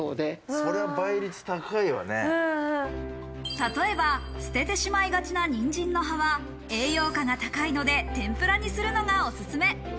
例えば、捨ててしまいがちなニンジンの葉は栄養価が高いので天ぷらにするのがおすすめ。